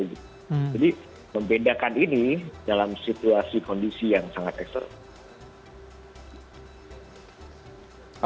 jadi membedakan ini dalam situasi kondisi yang sangat ekstra